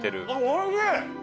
おいしい！